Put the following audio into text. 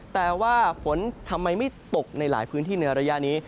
แต่ว่าฝนทำไมไม่ตกในหลายพื้นที่ในระยะนี้